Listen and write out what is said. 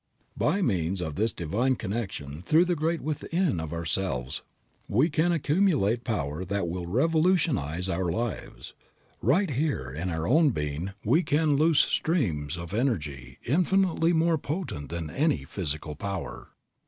By means of this divine connection through the Great Within of ourselves we can accumulate power that will revolutionize our lives. Right here in our own being we can loose streams of energy infinitely more potent than any physical power.